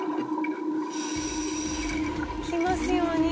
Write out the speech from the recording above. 「来ますように」